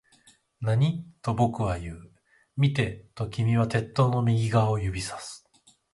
何？と僕は言う。見て、と君は鉄塔の右側を指差す